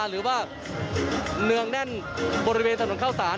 หรือว่าเนืองแน่นบริเวณถนนเข้าสาร